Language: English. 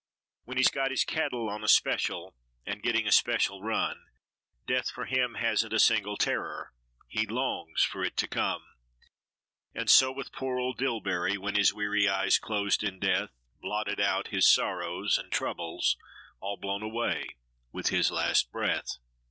When he's got his cattle on a special, and getting a special run, Death for him hasn't a single terror, he longs for it to come; And so with poor old Dillbery, when his weary eyes closed in death, Blotted out his sorrows and troubles, all blown away with his last breath.